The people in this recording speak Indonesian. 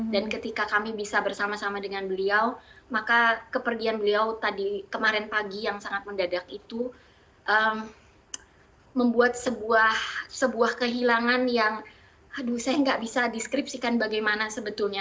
ketika kami bisa bersama sama dengan beliau maka kepergian beliau tadi kemarin pagi yang sangat mendadak itu membuat sebuah kehilangan yang aduh saya nggak bisa deskripsikan bagaimana sebetulnya